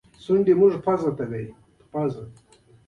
په اړه یې تر ټولو سخته او ژوره څېړنه شوې ده